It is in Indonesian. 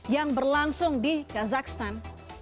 yang berlangsung di kazakhstan